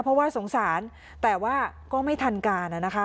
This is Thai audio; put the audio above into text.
เพราะว่าสงสารแต่ว่าก็ไม่ทันการนะคะ